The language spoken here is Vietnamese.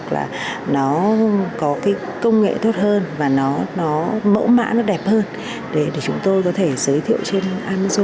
cho các doanh nghiệp